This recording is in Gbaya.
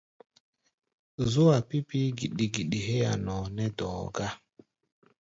Zú-a pi̧ pi̧í̧ giɗi-giɗi héé a̧ nɔɔ nɛ́ dɔ̧ɔ̧ gá.